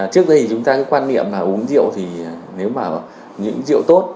trước đây chúng ta cứ quan niệm là uống rượu thì nếu mà những rượu tốt